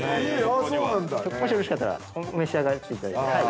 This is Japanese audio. もしよろしかったら、召し上がっていただいて。